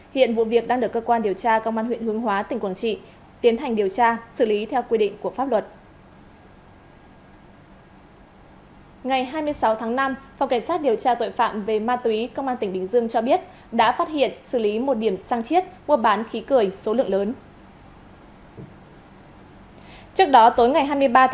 hiện vụ việc đang được cơ quan điều tra công an huyện hướng hóa tỉnh quảng trị tiến hành điều tra xử lý theo quy định của pháp luật